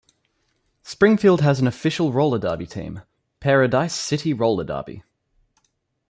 Springfield has an official roller derby team: Pair O Dice City Roller Derby.